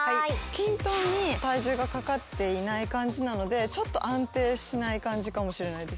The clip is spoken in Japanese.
均等に体重がかかっていない感じなのでちょっと安定しない感じかもしれないです